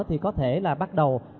thì có thể là bắt đầu